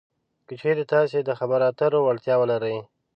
که چېرې تاسې د خبرو اترو وړتیا ولرئ